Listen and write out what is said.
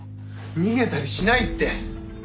逃げたりしないって。